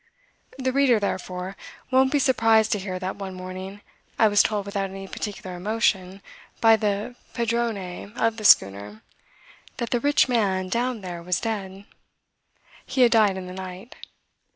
The reader, therefore, won't be surprised to hear that one morning I was told without any particular emotion by the padrone of the schooner that the "rich man" down there was dead: He had died in the night.